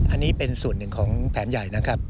อันนี้เป็นส่วนหนึ่งของแผนใหญ่นะครับ